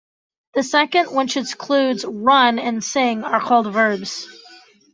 The second, which includes "run" and "sing", are called verbs.